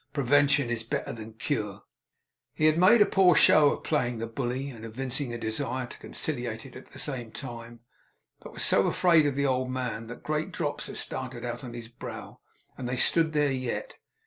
Prevention is better than cure.' He had made a poor show of playing the bully and evincing a desire to conciliate at the same time, but was so afraid of the old man that great drops had started out upon his brow; and they stood there yet.